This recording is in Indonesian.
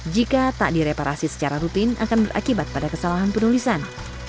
jika tak direparasi secara rutin akan berakibat pada kesalahan penulisan